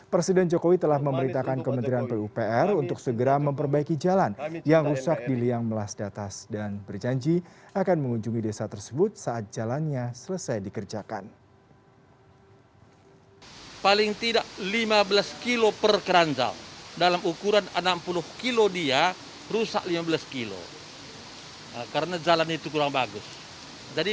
presiden jokowi telah memberitakan kementerian pupr untuk segera memperbaiki jalan yang rusak di liang melas di atas dan berjanji akan mengunjungi desa tersebut saat jalannya selesai dikerjakan